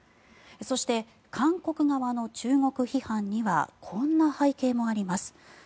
そして、韓国側の中国批判にはこんな背景もあります。